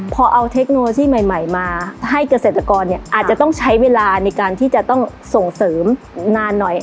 พอเอาเทคโนโลยีใหม่มาให้เกษตรกรเนี่ยอาจจะต้องใช้เวลาในการที่จะต้องส่งเสริมนานหน่อย